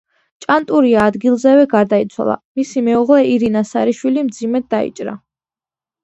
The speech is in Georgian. ჭანტურია ადგილზევე გარდაიცვალა, მისი მეუღლე ირინა სარიშვილი მძიმედ დაიჭრა.